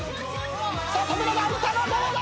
さあ扉が開いたがどうだ！？